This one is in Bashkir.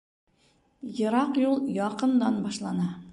Йыраҡ юл яҡындан башлана.